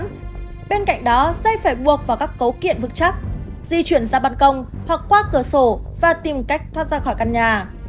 bên cạnh đó dây phải buộc vào các cấu kiện vững chắc di chuyển ra bàn công hoặc qua cửa sổ và tìm cách thoát ra khỏi căn nhà